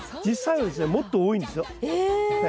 実際はですねもっと多いんですよ。え！